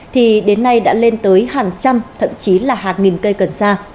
thì đến nay đã lên tới hàng trăm thậm chí là hàng nghìn cây cần sa